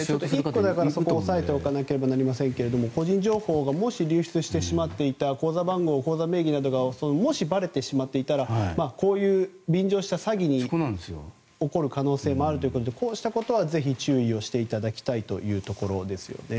１個、そこを抑えておかなければいけませんが個人情報がもし流出して口座番号や口座名義がばれてしまっていたらこういう便乗した詐欺が起こる可能性もあるということでこうしたことはぜひ注意していただきたいというところです。